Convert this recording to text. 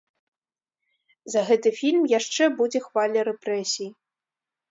За гэты фільм яшчэ будзе хваля рэпрэсій.